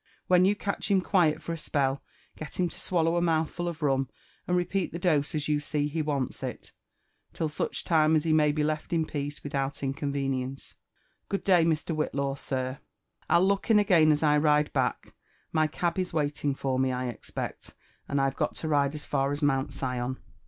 When you eateh him quiet for a ^ell, get him to swallow a mouthful of rum , and repeat the dose as yau see hci wants it, till aoch time as he may be left in peace without iocohvenieBce.* Good day, Mr. Whitlaw, sir,*— Fll look in again as I ride back ; t n]y cab is waiting for me, 1 expect, and I've got to ride as far as Mount 9ion."